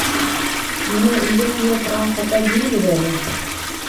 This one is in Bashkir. Миңә өйҙә кейә торған ҡата бирегеҙ әле.